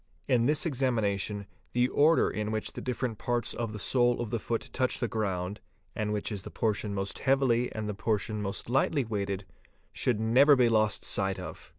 In this examination the order in which the different parts of the sole of the foot touch the ground, and which is the portion most heavily and the portion most lightly weighted, should never be lost sight of.